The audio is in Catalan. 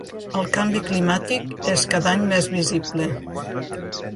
El canvi climàtic és cada any més visible.